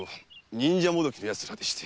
忍者もどきの奴らでして。